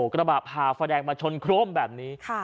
ขบอกพาไฟแดงมาชนโครมแบบนี้ค่ะ